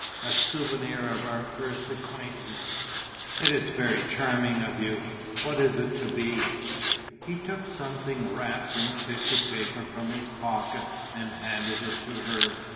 "A souvenir of our first acquaintance." "It is very charming of you. What is it to be?" He took something wrapped in tissue paper from his pocket and handed it to her.